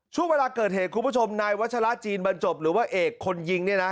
ช่วงเวลาเกิดเหตุคุณผู้ชมนายวัชละจีนบรรจบหรือว่าเอกคนยิงเนี่ยนะ